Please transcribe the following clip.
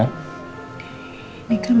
buat keluarga kita mas